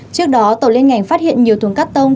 trước đó tổ liên ngành phát hiện nhiều thùng cắt tông